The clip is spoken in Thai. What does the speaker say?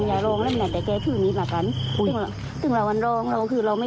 ฝากมันจากท้ายไปข้างหน้า